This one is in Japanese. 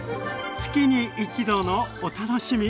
月に一度のお楽しみ！